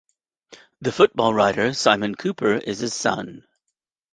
The football writer Simon Kuper is his son.